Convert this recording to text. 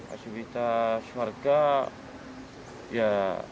aktivitas warga ya